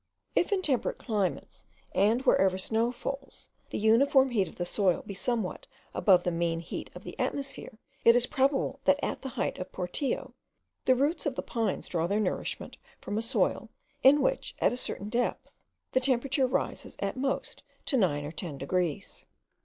If in temperate climates, and wherever snow falls, the uniform heat of the soil be somewhat above the mean heat of the atmosphere, it is probable that at the height of Portillo the roots of the pines draw their nourishment from a soil, in which, at a certain depth, the thermometer rises at most to nine or ten degrees.